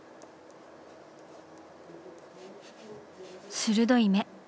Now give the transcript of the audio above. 鋭い目。